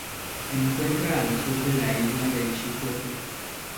Se encuentra al sur de la isla de Shikoku.